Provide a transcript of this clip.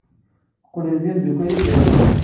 Qqlen d imeddukal igerrzen.